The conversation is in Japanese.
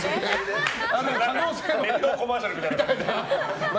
熱湯コマーシャルみたいな。